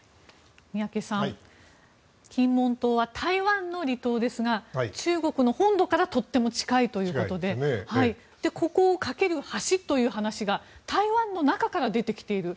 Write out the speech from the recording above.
宮家さん金門島は台湾の離島ですが中国の本土からとっても近いということでここを架ける橋という話が台湾の中から出てきている。